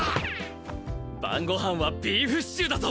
晩ごはんはビーフシチューだぞ。